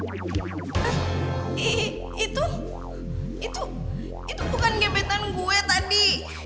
eh itu itu itu bukan gebetan gue tadi